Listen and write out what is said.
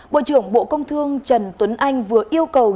bộ trưởng bộ công thương trần tuấn anh vừa yêu cầu